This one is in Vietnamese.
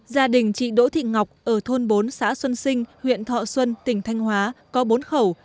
gia đình chị đỗ thị ngọc ở thôn bốn xã xuân sinh huyện thọ xuân tỉnh thanh hóa có bốn khẩu